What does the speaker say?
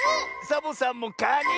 サボさんもかに！